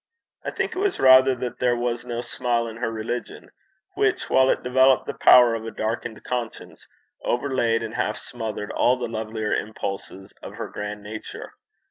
I think it was rather that there was no smile in her religion, which, while it developed the power of a darkened conscience, overlaid and half smothered all the lovelier impulses of her grand nature.